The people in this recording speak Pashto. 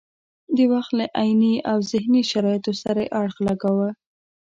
د وخت له عیني او ذهني شرایطو سره یې اړخ لګاوه.